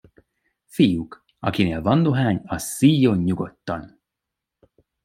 Fiúk, akinél van dohány, az szíjjon nyugodtan.